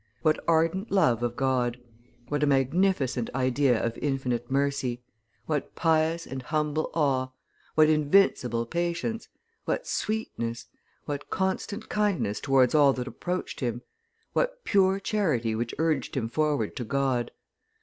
What ardent love of God! What a magnificent idea of infinite mercy! What pious and humble awe! What invincible patience! What sweetness! What constant kindness towards all that approached him! What pure charity which urged him forward to God!